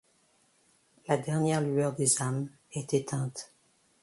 La dernière lueur des âmes est éteinte.